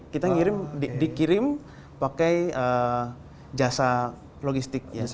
kita dikirim pakai jasa logistik